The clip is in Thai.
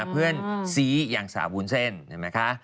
เพื่อนซีอย่างสาววุ้นเส้นเห็นไหมคะ